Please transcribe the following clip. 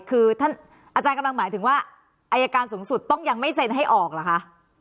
คือท่านอาจารย์กำลังหมายถึงว่าอายการสูงสุดต้องยังไม่เซ็นให้ออกเหรอคะ